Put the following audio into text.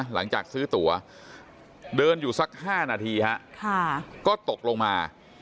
หลังจากซื้อตัวเดินอยู่สัก๕นาทีฮะก็ตกลงมา